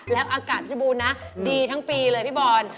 แล้วอากาศพิบูรณนะดีทั้งปีเลยพี่บอล